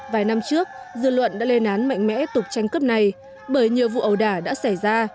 vài năm trước dư luận đã lên án mạnh mẽ tục tranh cướp này bởi nhiều vụ ẩu đả đã xảy ra